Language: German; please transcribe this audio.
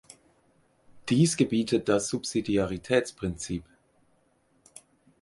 Dies gebietet das Subsidiaritätsprinzip.